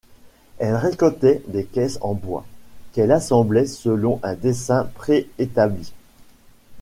Elle récoltait des caisses en bois, qu'elle assemblait selon un dessin pré-établi.